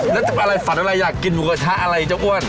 แล้วอะไรฝันอะไรอยากกินหมูกระทะอะไรเจ้าอ้วน